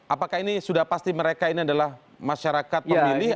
apakah ini sudah pasti mereka ini adalah masyarakat pemilih